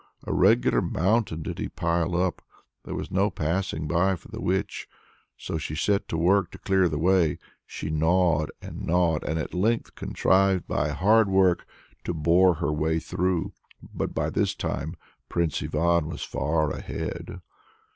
A regular mountain did he pile up! there was no passing by for the witch! So she set to work to clear the way. She gnawed, and gnawed, and at length contrived by hard work to bore her way through; but by this time Prince Ivan was far ahead.